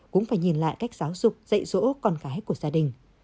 cũng phải nhìn lại cách giáo dục dạy dỗ con gái của gia đình